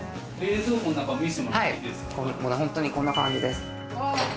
ホントにこんな感じです。